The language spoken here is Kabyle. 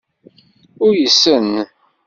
Uysen.